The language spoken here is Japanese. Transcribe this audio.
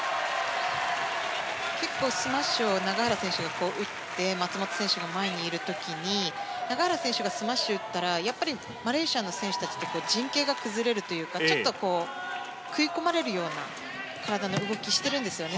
結構スマッシュを永原選手が打って松本選手の前にいる時に永原選手がスマッシュを打ったらマレーシアの選手たちは陣形が崩れるというかちょっと食い込まれるような体の動きをしてるんですよね。